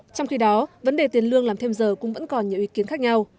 trong khi đó vấn đề tiền lương làm thêm giờ cũng vẫn còn nhiều ý kiến khác nhau